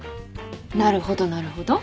なるほどなるほど。